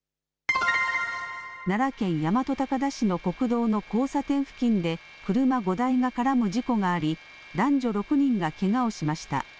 奈良県大和高田市の国道の交差点付近で車５台が絡む事故があり、男女６人がけがをしました。